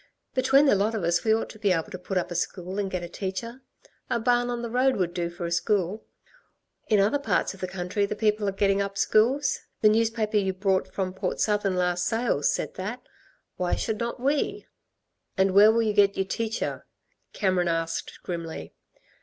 Between the lot of us we ought to be able to put up a school and get a teacher. A barn on the road would do for a school. In other parts of the country the people are getting up schools. The newspaper you brought from Port Southern last sales said that. Why should not we?" "And where will you get y'r teacher," Cameron asked grimly.